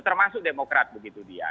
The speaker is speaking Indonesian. termasuk demokrat begitu dia